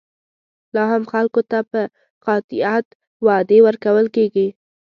لا هم خلکو ته په قاطعیت وعدې ورکول کېږي.